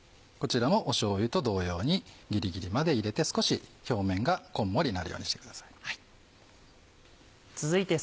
こちらもしょうゆと同様にギリギリまで入れて少し表面がこんもりなるようにしてください。